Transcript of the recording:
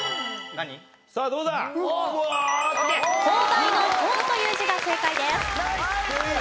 勾配の「勾」という字が正解です。